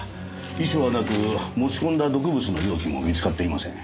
遺書はなく持ち込んだ毒物の容器も見つかっていません。